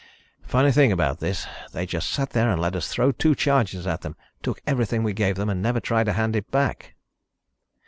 "Funny thing about this. They just sat there and let us throw two charges at them, took everything we gave them and never tried to hand it back."